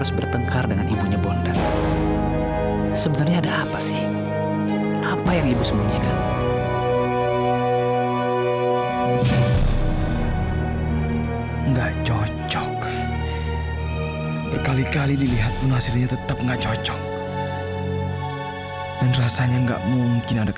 sampai jumpa di video selanjutnya